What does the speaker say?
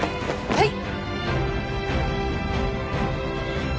はい！